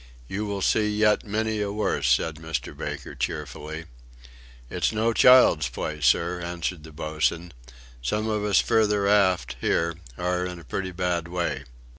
"You will see yet many a worse," said Mr. Baker, cheerfully. "It's no child's play, sir!" answered the boatswain. "Some of us further aft, here, are in a pretty bad way."